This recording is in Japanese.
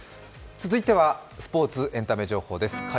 続いてはスポーツ、エンタメ情報です。